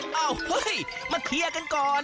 เฮ้ยเอ้าเฮ้ยมาเคลียร์กันก่อน